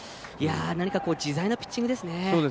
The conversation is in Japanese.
何か自在なピッチングですね。